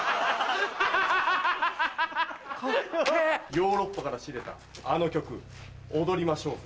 ヨーロッパから仕入れたあの曲踊りましょうぞ。